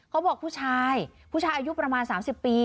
เขาบอกผู้ชายผู้ชายอายุประมาณ๓๐ปี